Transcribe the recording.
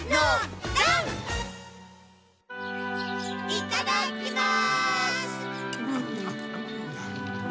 いただきます！